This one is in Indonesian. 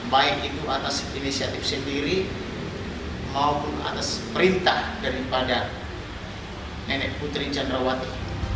baik itu atas inisiatif sendiri maupun atas perintah daripada nenek putri candrawati